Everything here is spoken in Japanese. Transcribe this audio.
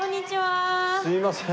すいません。